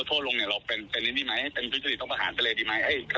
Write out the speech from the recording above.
อืม